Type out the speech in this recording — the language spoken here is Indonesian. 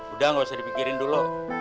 udah gak usah dipikirin dulu